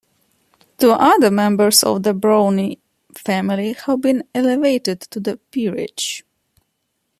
Two other members of the Browne family have been elevated to the peerage.